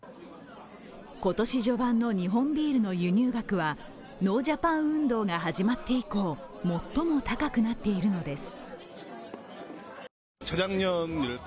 今年序盤の日本ビールの輸入額はノージャパン運動が始まって以降、最も高くなっているのです。